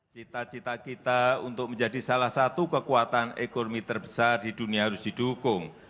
cita cita kita untuk menjadi salah satu kekuatan ekonomi terbesar di dunia harus didukung